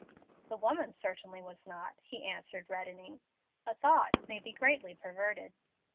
"The woman certainly was not," he answered, reddening. "A thought may be greatly perverted."